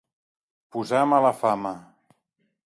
Posar mala fama.